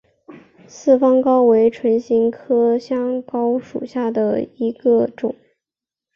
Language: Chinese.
四方蒿为唇形科香薷属下的一个种。